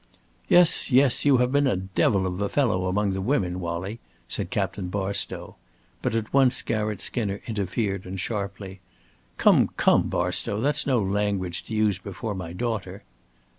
"Yes, yes. You have been a devil of a fellow among the women, Wallie," said Captain Barstow. But at once Garratt Skinner interfered and sharply: "Come, come, Barstow! That's no language to use before my daughter."